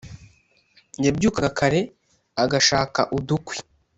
Yabyukaga kare agashaka udukwi,